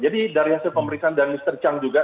jadi dari hasil pemeriksaan dari mr chang juga